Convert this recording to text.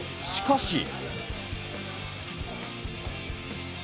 しかし。